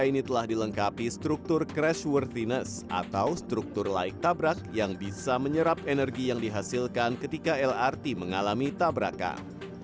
ini telah dilengkapi struktur crash worthinness atau struktur laik tabrak yang bisa menyerap energi yang dihasilkan ketika lrt mengalami tabrakan